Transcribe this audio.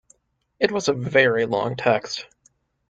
It was a very long text.